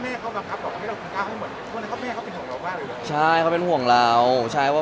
แล้วถ่ายละครมันก็๘๙เดือนอะไรอย่างนี้